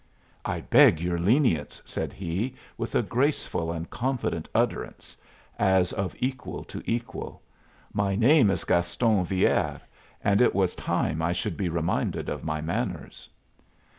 "I beg your lenience," said he, with a graceful and confident utterance, as of equal to equal. "My name is Gaston Villere, and it was time I should be reminded of my manners."